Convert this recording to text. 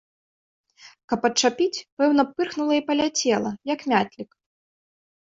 Каб адчапіць, пэўна б, пырхнула і паляцела, як мятлік.